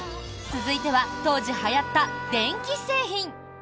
続いては当時はやった電気製品。